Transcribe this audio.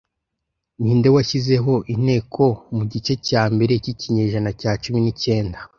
Ninde washyizeho Inteko mugice cya mbere cyikinyejana cya cumi n'icyenda